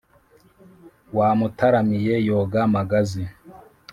Wamutaramiye yoga magazi